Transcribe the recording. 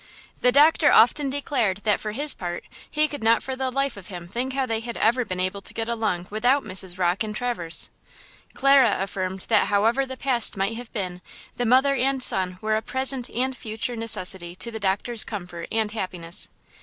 The doctor often declared that for his part he could not for the life of him think how they had ever been able to get along without Mrs. Rocke and Traverse. Clara affirmed that however the past might have been, the mother and son were a present and future necessity to the doctor's comfort and happiness.